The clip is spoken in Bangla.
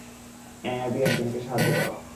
হ্যাঁ, অ্যাবি, একজনকে সাহায্য করো।